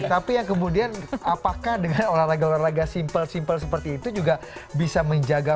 tapi yang kemudian apakah dengan olahraga olahraga simple simple seperti itu juga bisa menjaga